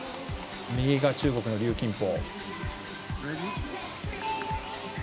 右が中国の龍金宝。